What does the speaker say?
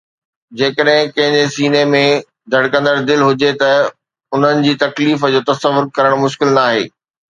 جيڪڏهن ڪنهن جي سيني ۾ ڌڙڪندڙ دل هجي ته انهن جي تڪليف جو تصور ڪرڻ مشڪل ناهي.